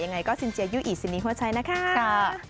ยังไงก็สินเจียยุอิสินิโฮชัยนะคะ